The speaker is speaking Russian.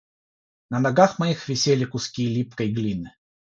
На ногах моих висели куски липкой глины